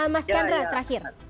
mas chandra terakhir